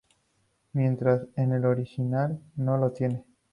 Mientras en la original no lo tiene.